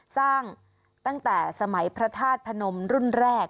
สร้างตั้งแต่สมัยพระธาตุพนมรุ่นแรก